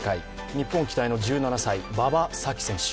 日本、期待の１７歳、馬場咲希選手。